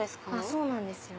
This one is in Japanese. そうなんですよ。